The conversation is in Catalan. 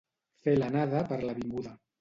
Fer l'anada per la vinguda.